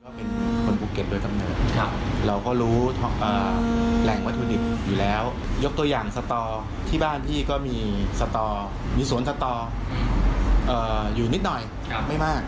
เราก็รู้แหล่งวัตถุดิบอยู่แล้วยกตัวอย่างสตอที่บ้านที่ก็มีสตอมีสวนสตออยู่นิดหน่อยไม่มาก